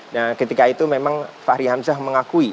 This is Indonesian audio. nah ketika itu memang fahri hamzah mengakui